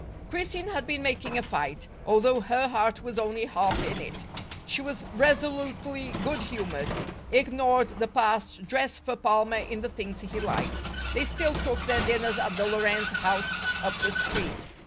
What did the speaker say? Christine had been making a fight, although her heart was only half in it. She was resolutely good humored, ignored the past, dressed for Palmer in the things he liked. They still took their dinners at the Lorenz house up the street.